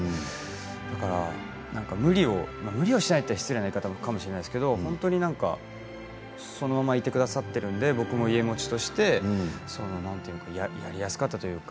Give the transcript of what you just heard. だから無理を無理をしないと言ったら失礼な言い方かもしれませんが本当になんかそのままいてくださっているので僕も家茂として、何て言うのかやりやすかったというか。